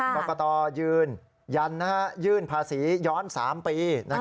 ปรากฏอยืนยืนภาษีย้อน๓ปี